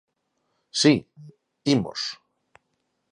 Si, imos.